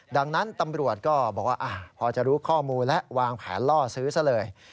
ดังนั้นตำรวจก็บอกว่าพอจะรู้ข้อมูลและวางแผนล่อซื้อซะเลย